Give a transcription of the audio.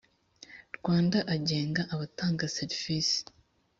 rwanda agenga abatanga serivisi